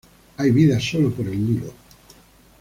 Hay vida sólo por el Nilo.